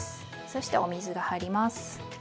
そしてお水が入ります。